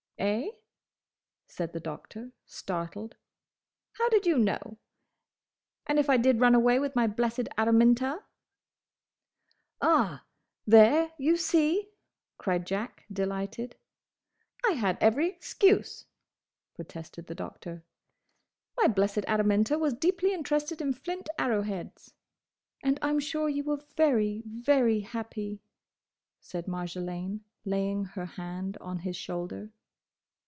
"Eh?" said the Doctor, startled. "How did you know?—And if I did run away with my blessed Araminta—" "Ah!—there, you see!" cried Jack, delighted. "—I had every excuse," protested the Doctor. "My blessed Araminta was deeply interested in flint arrowheads." "And I 'm sure you were very, very happy," said Marjolaine, laying her hand on his shoulder.